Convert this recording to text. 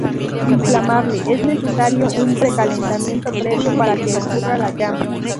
Inflamable: es necesario un precalentamiento previo para que ocurra la llama.